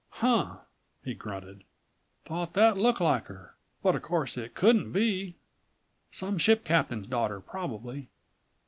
"Huh!" he grunted. "Thought that looked like her, but of course it couldn't be. Some ship captain's daughter probably."